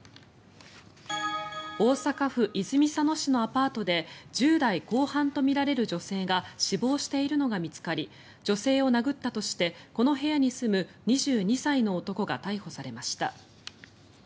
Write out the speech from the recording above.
大阪府泉佐野市のアパートで１０代後半とみられる女性が死亡しているのが見つかり女性を殴ったとしてこの部屋に住む２２歳の男が逮捕されました。